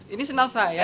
ini sendal saya